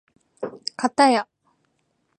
かたや